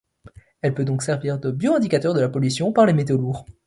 Elle peut donc servir de bioindicateur de la pollution par les métaux lourds.